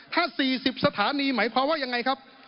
ถ้า๔๐สถานีหมายความว่ายังไงครับ